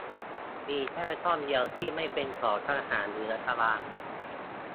มีแค่ช่องเดียวที่ไม่เป็นของทหารหรือรัฐบาล